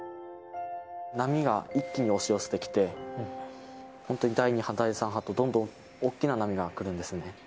波が一気に押し寄せてきて、本当に第２波、第３波とどんどん大きな波が来るんですね。